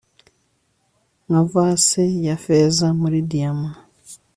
nka vase ya feza muri diyama